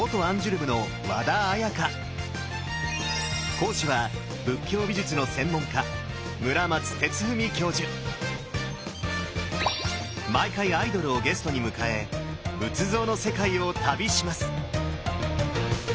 講師は仏教美術の専門家毎回アイドルをゲストに迎え仏像の世界を旅します！